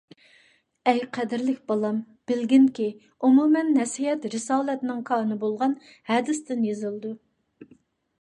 ئەي قەدىرلىك بالام، بىلگىنكى، ئومۇمەن نەسىھەت رىسالەتنىڭ كانى بولغان ھەدىستىن يېزىلىدۇ.